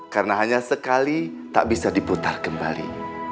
karena hanya sekali tak bisa diputar kembali